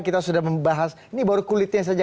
kita sudah membahas ini baru kulitnya saja